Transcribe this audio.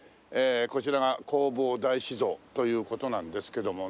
こちらが弘法大師像という事なんですけどもね。